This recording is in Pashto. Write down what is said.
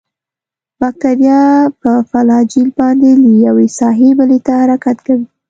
باکتریا په فلاجیل باندې له یوې ساحې بلې ته حرکت کوي.